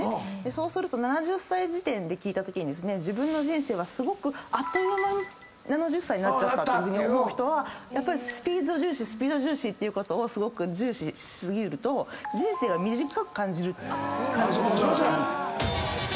そうすると７０歳時点で聞いたときに自分の人生はすごくあっという間に７０歳になっちゃったって思う人はやっぱりスピード重視ってことを重視し過ぎると人生が短く感じる。